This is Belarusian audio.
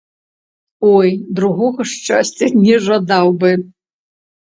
Ой, другога шчасця не жадаў бы!